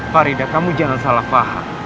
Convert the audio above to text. faridah kamu jangan salah faham